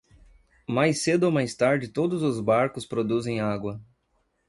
Mais cedo ou mais tarde, todos os barcos produzem água.